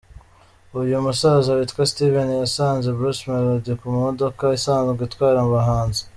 Uyu musaza witwa Steven yasanze Bruce Melodie ku mudoka isanzwe itwara abahanzi.